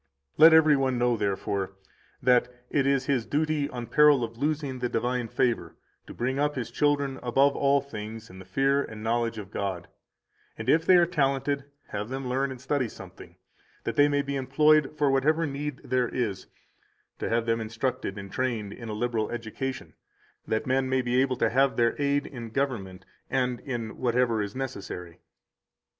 Let every one know, therefore, that it is his duty, on peril of losing the divine favor, to bring up his children above all things in the fear and knowledge of God, and if they are talented, have them learn and study something, 174 that they may be employed for whatever need there is [to have them instructed and trained in a liberal education, that men may be able to have their aid in government and in whatever is necessary].